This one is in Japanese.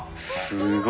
すごい。